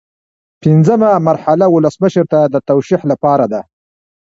پنځمه مرحله ولسمشر ته د توشیح لپاره ده.